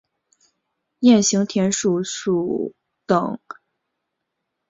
鼹形田鼠属等数种哺乳动物。